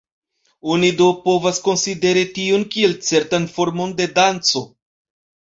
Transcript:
Oni do povas konsideri tion kiel certan formon de danco.